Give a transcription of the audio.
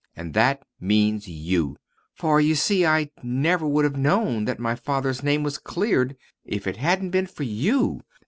And that means you; for you see I never would have known that my father's name was cleared if it hadn't been for you.